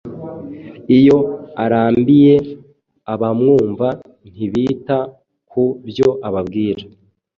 Iyo arambiye abamwumva ntibita ku byo ababwira,